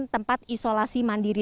tempat isolasi mandiri